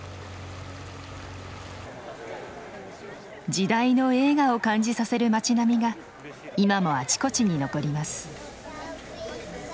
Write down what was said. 時代の栄華を感じさせる町並みが今もあちこちに残ります。